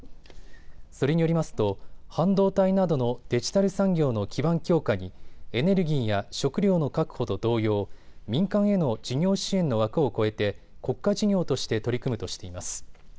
それによりますと半導体などのデジタル産業の基盤強化にエネルギーや食料の確保と同様、民間への賃料支援の枠を超えて国家事業として取り組むとしています。